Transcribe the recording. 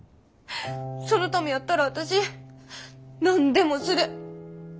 そのためやったら私何でもする。